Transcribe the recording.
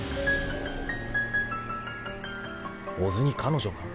［小津に彼女が？］